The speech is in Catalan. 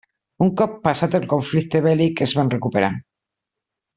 Un cop passat el conflicte bèl·lic es van recuperar.